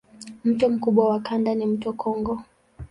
Mto mkubwa wa kanda ni mto Kongo.